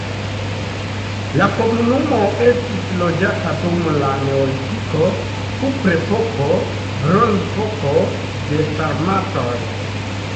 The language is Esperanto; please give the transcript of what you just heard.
La komunumo estis loĝata dum la neolitiko, kuprepoko, bronzepoko, de sarmatoj.